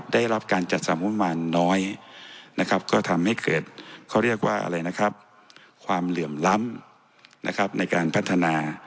ได้รับการจัดสรรค์ประมาณน้อยก็ทำให้เกิดความเหลื่อมล้ำในการพัฒนา